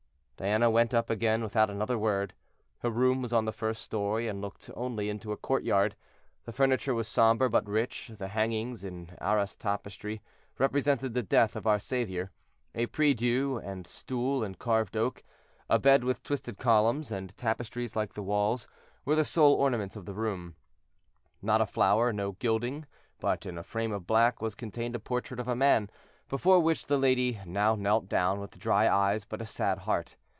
Diana went up again without another word. Her room was on the first story, and looked only into a courtyard. The furniture was somber, but rich, the hangings, in Arras tapestry, represented the death of our Saviour, a prie Dieu and stool in carved oak, a bed with twisted columns, and tapestries like the walls, were the sole ornaments of the room. Not a flower, no gilding, but in a frame of black was contained a portrait of a man, before which the lady now knelt down, with dry eyes, but a sad heart.